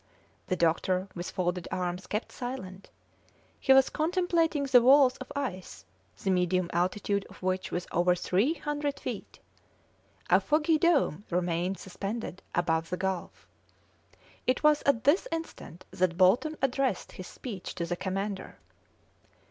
The doctor, with folded arms, kept silent; he was contemplating the walls of ice, the medium altitude of which was over 300 feet. A foggy dome remained suspended above the gulf. It was at this instant that Bolton addressed his speech to the commander.